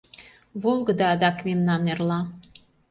Волгыдо адак мемнан эрла.